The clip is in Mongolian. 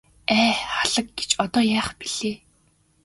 Ай халаг гэж одоо яах билээ.